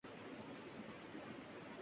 Marxism اصلا ایک مذہب بیزار تحریک ہے۔